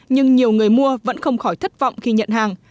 nhưng nhiều người mua vẫn không khỏi thất vọng khi nhận hàng